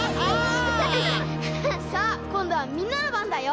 さあこんどはみんなのばんだよ！